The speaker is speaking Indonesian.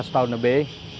seratus tahun lebih